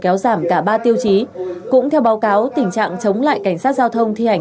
kéo giảm cả ba tiêu chí cũng theo báo cáo tình trạng chống lại cảnh sát giao thông thi hành